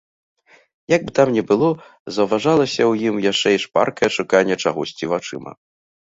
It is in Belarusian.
Як бы там ні было, заўважалася ў ім яшчэ і шпаркае шуканне чагосьці вачыма.